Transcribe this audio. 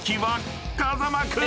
［風間君！